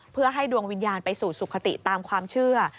เพื่อให้ดวงวิญญาณไปสู่สุขติตามความเชื่อ